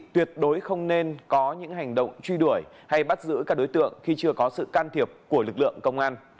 tuyệt đối không nên có những hành động truy đuổi hay bắt giữ các đối tượng khi chưa có sự can thiệp của lực lượng công an